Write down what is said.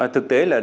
thực tế là